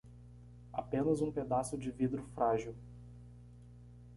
Apenas um pedaço de vidro frágil